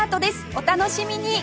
お楽しみに！